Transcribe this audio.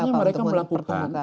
biasanya mereka melakukan